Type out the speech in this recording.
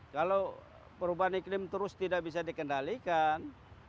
kalau perubahan iklim terus tidak bisa dikendalikan